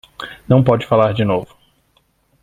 Não pode falar de novo